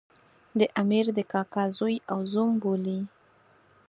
د امیر د کاکا زوی او زوم بولي.